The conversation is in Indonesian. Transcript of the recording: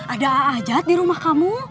ada a'ajat dirumah kamu